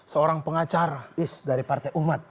seorang pengacara dari partai umat